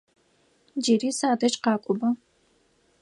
Джыри садэжь къакӏоба!